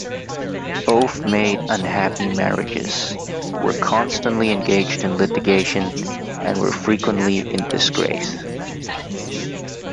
Both made unhappy marriages, were constantly engaged in litigation, and were frequently in disgrace.